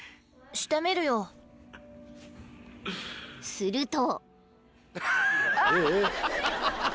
［すると］